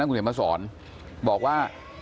พนักงานในร้าน